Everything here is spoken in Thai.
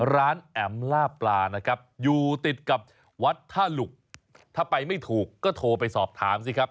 แอ๋มล่าปลานะครับอยู่ติดกับวัดท่าหลุกถ้าไปไม่ถูกก็โทรไปสอบถามสิครับ